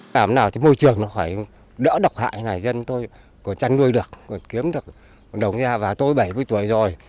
cảm nào thì môi trường nó phải đỡ độc hại này dân tôi còn chăn nuôi được còn kiếm được đồng ra vào tôi bảy mươi tuổi rồi